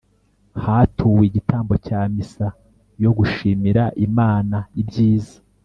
hatuwe igitambo cya missa yo gushimira imana ibyiza